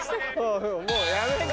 もうやめて！